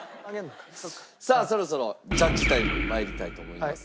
そろそろジャッジタイム参りたいと思います。